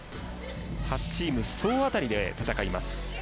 ８チーム総当たりで戦います。